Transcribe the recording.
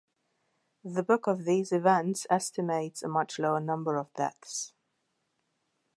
The book of these events estimates a much lower number of deaths.